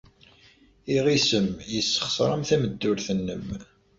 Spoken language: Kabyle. Iɣisem yessexṣer-am tameddurt-nnem.